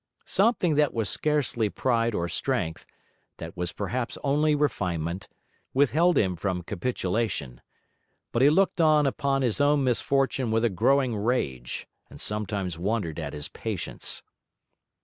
Something that was scarcely pride or strength, that was perhaps only refinement, withheld him from capitulation; but he looked on upon his own misfortune with a growing rage, and sometimes wondered at his patience.